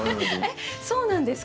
えっそうなんですか？